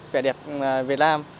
vẻ đẹp việt nam